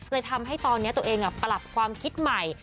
เลยทำให้ตอนนี้ตัวเองปรับความคิดใหม่